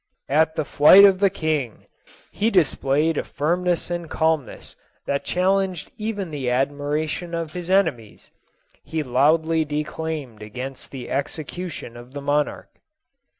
" At the flight of the king, he displayed a firmness and calmness that challenged even the admiration of his enemies ; he loudly de claimed against the execution of the monarch."